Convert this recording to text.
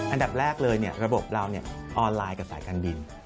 อันดับแรกเลยระบบเราออนไลน์กับสายการบิน